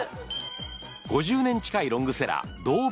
５０年近いロングセラー。